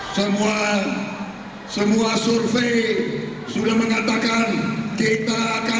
semua survei sudah mengatakan kita akan satu putaran